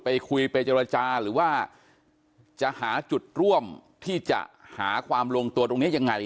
ไปคุยไปเจรจาหรือว่าจะหาจุดร่วมที่จะหาความลงตัวตรงนี้ยังไง